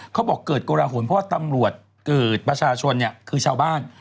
เขาบอกเกิดกรหลเพราะว่าตำรวจเกิดประชาชนเนี่ยคือชาวบ้าน